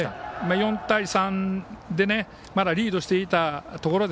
４対３でまだリードしていたところで